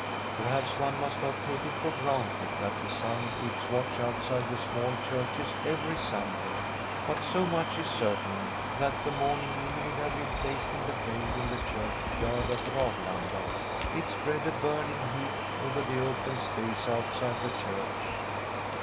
Perhaps one must not take it for granted that the sun keeps watch outside the small churches every Sunday; but so much is cer tain, that the morning Ingrid had been placed in the grave in the churchyard at Raglanda, From a SWEDISH HOMESTEAD it spread a burning heat over the open space outside the church.